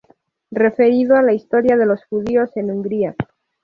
Referido a la historia de los judíos en Hungría.